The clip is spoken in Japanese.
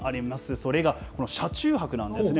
それが、車中泊なんですね。